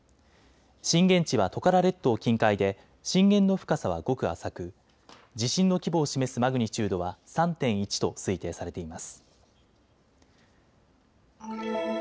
震源地はトカラ列島近海で震源の深さはごく浅く地震の規模を示すマグニチュードは３．１と推定されています。